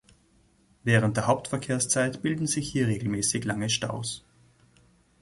Während der Hauptverkehrszeit bilden sich hier regelmäßig lange Staus.